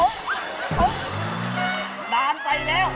น้ำไปแล้ว